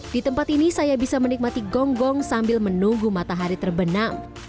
di tempat ini saya bisa menikmati gonggong sambil menunggu matahari terbenam